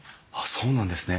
そうなんですね。